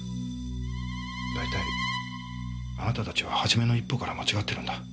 大体あなたたちは初めの一歩から間違ってるんだ。